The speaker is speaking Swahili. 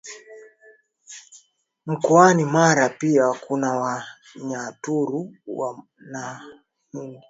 mkoani Mara pia kuna Wanyaturu na Wanandi